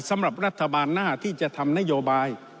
สำหรับรัฐบาลหน้าที่จะทำนโยบาย